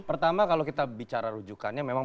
pertama kalau kita bicara rujukannya memang